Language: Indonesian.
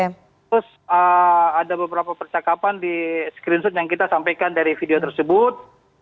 terus ada beberapa percakapan di screenshot yang kita sampaikan dari video tersebut